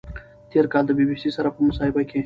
تېر کال د بی بی سي سره په مصاحبه کې